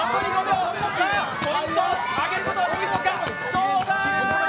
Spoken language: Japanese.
どうだ！？